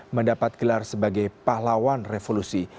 mendapat gelar sebagai pahlawan revolusi